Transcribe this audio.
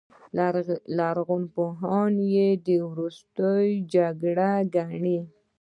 لرغونپوهان یې د ستورو جګړه ګڼي.